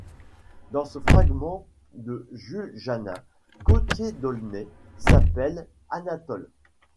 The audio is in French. Dans ce fragment de Jules Janin, Gaultier d'Aulnay s'appelle Anatole.